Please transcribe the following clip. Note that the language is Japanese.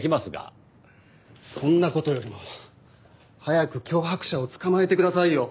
そんな事よりも早く脅迫者を捕まえてくださいよ。